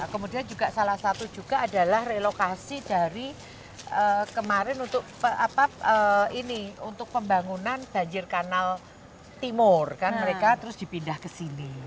kemudian juga salah satu juga adalah relokasi dari kemarin untuk pembangunan banjir kanal timur kan mereka terus dipindah ke sini